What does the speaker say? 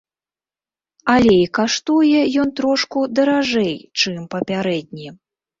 Але і каштуе ён трошку даражэй, чым папярэдні.